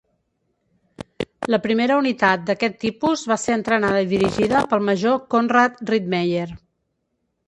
La primera unitat d'aquest tipus va ser entrenada i dirigida pel Major Konrad Rittmeyer.